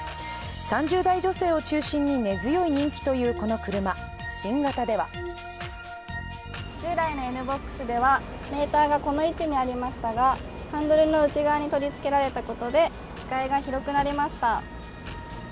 ３０代女性を中心に根強い人気というこの車新型では従来のＮ−ＢＯＸではメーターがこの位置にありましたがハンドルの内側に取り付けられたことで視界が広くなりました。